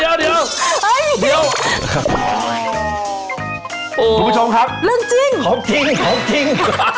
คุณผู้ชมครับเรื่องจริงผมจริง